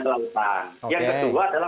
kelembagaan yang kedua adalah